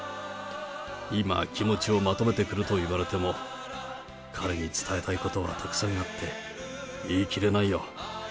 今、気持ちをまとめてくれと言われても、彼に伝えたいことはたくさんあって言い切れないよ。